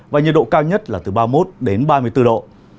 và nhiệt độ cao nhất là từ ba mươi một đến ba mươi bốn độ